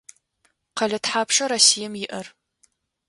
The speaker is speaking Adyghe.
Къэлэ тхьапша Россием иӏэр?